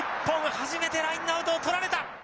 初めてラインアウトをとられた！